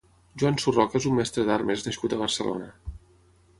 Joan Surroca és un mestre d'armes nascut a Barcelona.